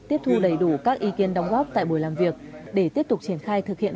tiếp thu đầy đủ các ý kiến đóng góp tại buổi làm việc để tiếp tục triển khai thực hiện